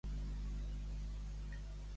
Quins aspectes considerava d'alt valor?